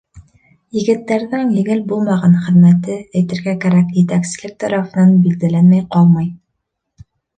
Егеттәрҙең еңел булмаған хеҙмәте, әйтергә кәрәк, етәкселек тарафынан билдәләнмәй ҡалмай.